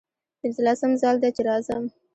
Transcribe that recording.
پنځلسم ځل دی چې راځم.